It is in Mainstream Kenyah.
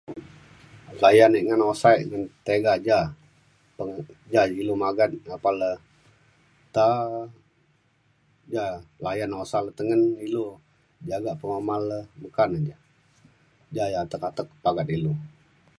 layan e ngan usa e tega ja peng ja ilu magat apan le ta ja layan usa le tengen ilu jagak penguman le meka na ja. ja ja atek atek agat ilu